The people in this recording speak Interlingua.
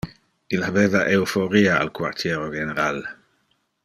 Il habeva euphoria al quartiero general.